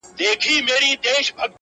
په دې اور سو موږ تازه پاته کېدلای،